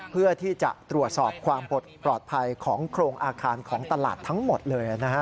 เพื่อที่จะตรวจสอบความปลอดภัยของโครงอาคารของตลาดทั้งหมดเลย